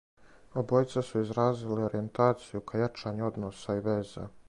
Обојица су изразили оријентацију ка јачању односа и веза.